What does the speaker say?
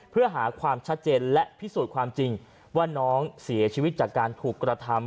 เพื่อหาความชัดเจนและพิสูจน์ความจริงว่าน้องเสียชีวิตจากการถูกกระทำ